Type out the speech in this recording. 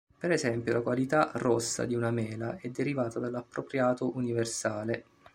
Per esempio la qualità "rossa" di una mela è derivata dall'appropriato universale.